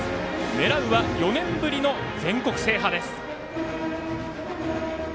狙うは４年ぶりの全国制覇です。